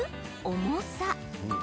重さ。